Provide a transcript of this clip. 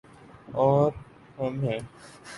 اور ہم ہیں۔